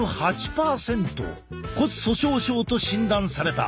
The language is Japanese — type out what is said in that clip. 骨粗しょう症と診断された。